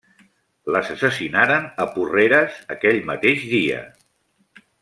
Les assassinaren a Porreres aquell mateix dia.